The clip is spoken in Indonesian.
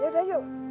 ya udah yuk